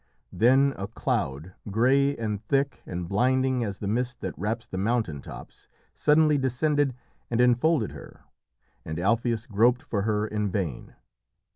Then a cloud, grey and thick and blinding as the mist that wraps the mountain tops, suddenly descended and enfolded her, and Alpheus groped for her in vain.